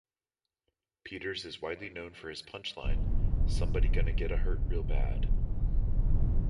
Peters is widely known for his punchline, Somebody gonna get a hurt real bad.